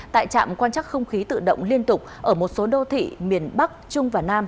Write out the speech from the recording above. tại trạm quan chắc không khí tự động liên tục ở một số đô thị miền bắc trung và nam